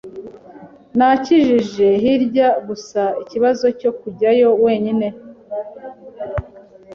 Nakijije hirwa gusa ikibazo cyo kujyayo wenyine.